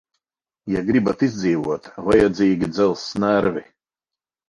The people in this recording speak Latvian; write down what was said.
Ja gribat izdzīvot, vajadzīgi dzelzs nervi.